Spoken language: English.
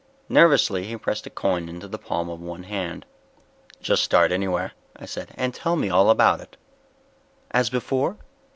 Nervously he pressed a coin into the palm of one hand. "Just start anywhere," I said, "and tell me all about it." "As before?"